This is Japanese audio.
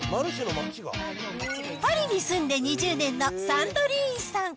パリに住んで２０年のサンドリーンさん。